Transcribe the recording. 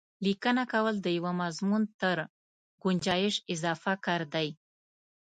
لیکنه کول د یوه مضمون تر ګنجایش اضافه کار دی.